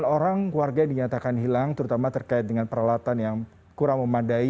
sembilan orang warga dinyatakan hilang terutama terkait dengan peralatan yang kurang memadai